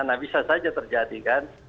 nah bisa saja terjadi kan